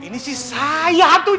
ini sih saya tuh